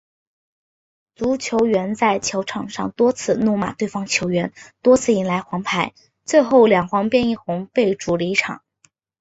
足球员在球场上多次怒骂对方球员，多次迎来黄牌，最后两黄变一红，被逐离场。